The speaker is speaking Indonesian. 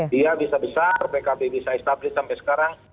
dia bisa besar pkb bisa establish sampai sekarang